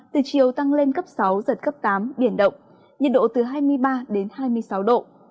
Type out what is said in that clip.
từ chiều tăng lên cấp sáu giật cấp tám biển động nhiệt độ từ hai mươi ba đến hai mươi sáu độ